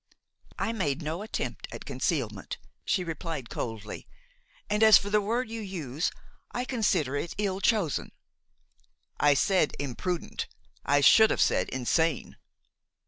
"I made no attempt at concealment," she replied coldly; "and as for the word you use, I consider it ill chosen." "I said imprudent, I should have said insane."